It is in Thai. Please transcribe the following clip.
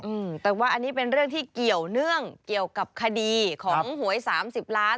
อืมแต่ว่าอันนี้เป็นเรื่องที่เกี่ยวเนื่องเกี่ยวกับคดีของหวยสามสิบล้าน